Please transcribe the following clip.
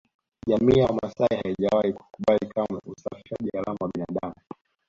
Jamii ya Wamasai haijawahi kukubali kamwe usafirishaji haramu wa binadamu